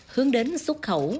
hướng đến xuất khẩu